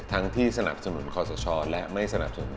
ทั้งที่สนับสนุนและไม่สนุน